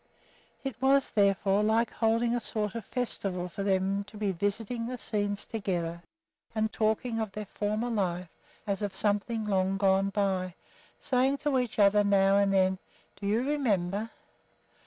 It was therefore like holding a sort of festival for them to be visiting the scenes together and talking of their former life as of something long gone by, saying to each other now and then, "Do you remember?"